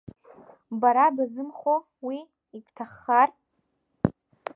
Бара базымхо уи, ибҭаххар?